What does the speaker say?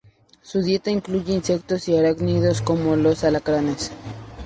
Su dieta incluye insectos y arácnidos como los alacranes.